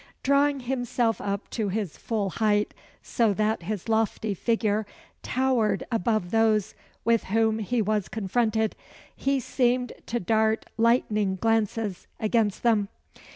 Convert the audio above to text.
Drawing himself up to his full height, so that his lofty figure towered above those with whom he was confronted, he seemed to dart lightning glances against them.